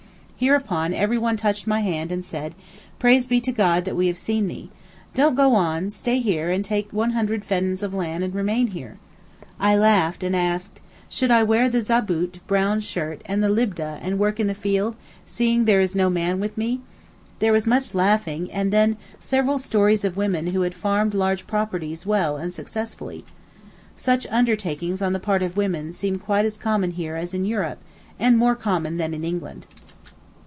Hereupon everyone touched my hand and said, 'Praise be to God that we have seen thee. Don't go on: stay here and take 100 feddans of land and remain here.' I laughed and asked, 'Should I wear the zaboot (brown shirt) and the libdeh, and work in the field, seeing there is no man with me?' There was much laughing, and then several stories of women who had farmed large properties well and successfully. Such undertakings on the part of women seem quite as common here as in Europe, and more common than in England.